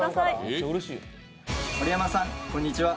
盛山さん、こんにちは。